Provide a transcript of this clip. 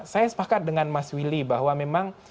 saya sepakat dengan mas willy bahwa memang